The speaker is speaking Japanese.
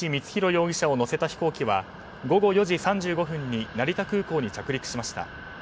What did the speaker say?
容疑者を乗せた飛行機は午後４時３５分に成田空港に着陸しました。